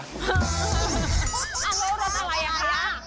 เอ้าแล้วรถอะไรอ่ะคะ